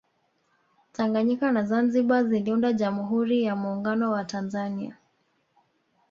tanganyika na zanzibar ziliunda jamhuri ya muungano wa tanzania